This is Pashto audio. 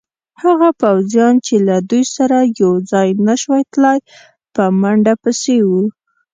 هغه پوځیان چې له دوی سره یوځای نه شوای تلای، په منډه پسې وو.